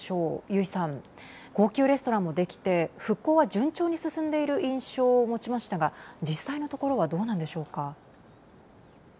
高級レストランも出来て復興は順調に進んでいる印象を持ちましたが実際のところはどうなんでしょうか。